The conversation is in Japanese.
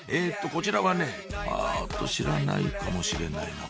こちらはねあっと知らないかもしれないな